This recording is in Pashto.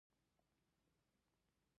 د ایران صابون او شامپو کیفیت لري.